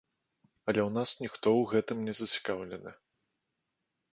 Але ў нас ніхто ў гэтым не зацікаўлены.